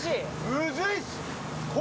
むずいっす。